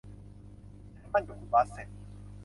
ฉันหมั้นกับคุณบาสเส็ต